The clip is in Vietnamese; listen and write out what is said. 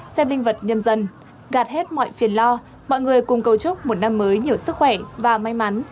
xem linh vật nhân dân gạt hết mọi phiền lo mọi người cùng cầu chúc một năm mới nhiều sức khỏe và may mắn